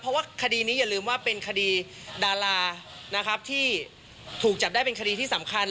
เพราะว่าคดีนี้อย่าลืมว่าเป็นคดีดารานะครับที่ถูกจับได้เป็นคดีที่สำคัญ